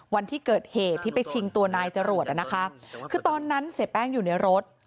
วันที่เกิดเหตุที่ไปชิงตัวนายจรวดนะคะคือตอนนั้นเสียแป้งอยู่ในรถ